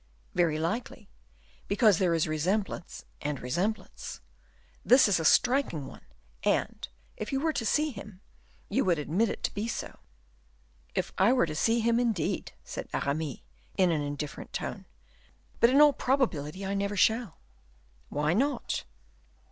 "Very likely; because there is resemblance and resemblance. This is a striking one, and, if you were to see him, you would admit it to be so." "If I were to see him, indeed," said Aramis, in an indifferent tone; "but in all probability I never shall." "Why not?"